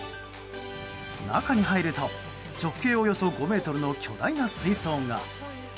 中に入ると、直径およそ５ｍの巨大な水槽が。